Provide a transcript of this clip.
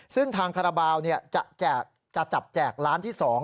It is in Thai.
ซึ่งทางคาราบาลจะจับแจกล้านที่๒